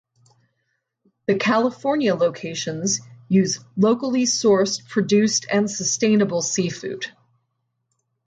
The California locations use locally sourced produced and sustainable seafood.